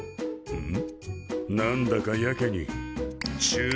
うん。